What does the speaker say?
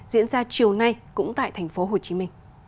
diễn ra chiều nay cũng tại tp hcm